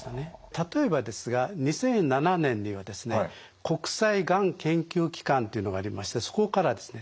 例えばですが２００７年にはですね国際がん研究機関というのがありましてそこからですね